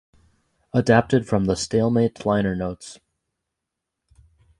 Adapted from the "Stalemate" liner notes.